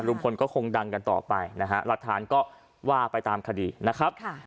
ลุงพลก็คงดังกันต่อไปนะฮะหลักฐานก็ว่าไปตามคดีนะครับ